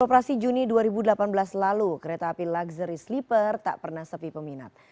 operasi juni dua ribu delapan belas lalu kereta api luxury sleeper tak pernah sepi peminat